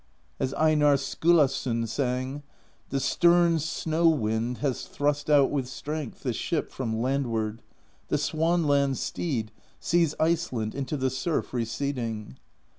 As Einarr Skulason sang: The stern snow wind has thrust out With strength, the ship from landward The Swan Land's steed sees Iceland Into the surf receding.